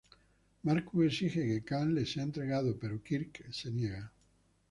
Marcus exige que Khan le sea entregado, pero Kirk se niega.